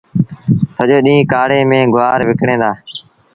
سڄو ڏيݩهݩ ڪآڙي ميݩ گُوآر وڪڻيٚن دآ